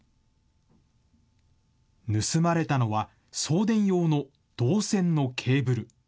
盗まれたのは、送電用の銅線のケーブル。